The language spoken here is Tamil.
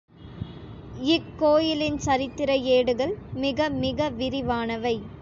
இக்கோயிலின் சரித்திர ஏடுகள் மிக மிக விரிவானவை.